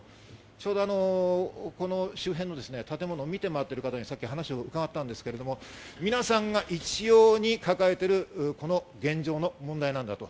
ちょうど周辺の建物を見てまわっている方に話を聞いたんですが、皆さんが一様に抱えている現状の問題なんだと。